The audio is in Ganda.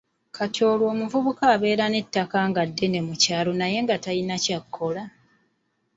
Kati olwo omuvubuka abeere n'ettaka nga ddene mu kyalo naye nga talina ky'akola?